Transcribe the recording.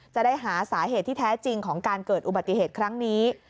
จะได้หาสาเหตุที่แท้จริงของการเกิดอุบัติเหตุครั้งนี้